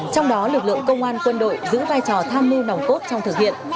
trong đó lực lượng công an quân đội giữ vai trò tham mưu nòng cốt trong thực hiện